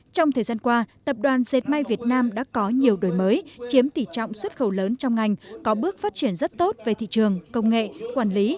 trong thời gian qua tập đoàn dệt may việt nam đã có nhiều đổi mới chiếm tỷ trọng xuất khẩu lớn trong ngành có bước phát triển rất tốt về thị trường công nghệ quản lý